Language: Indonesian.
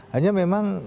hanya memang si